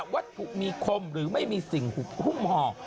วัตถุมีคมหรือไม่มีสิ่งหุ้มห่อ